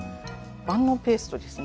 万能ペーストですね。